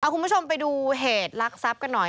เอาคุณผู้ชมไปดูเหตุลักษัตริย์กันหน่อย